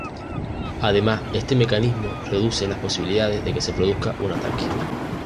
Además, este mecanismo reduce las posibilidades de que se produzca un ataque.